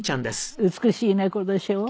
美しい猫でしょ？